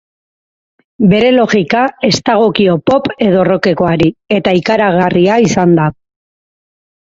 Bere logika ez dagokio pop edo rockekoari, eta ikaragarria izan da.